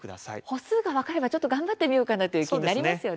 歩数が分かればちょっと頑張ってみようかなという気になりますよね。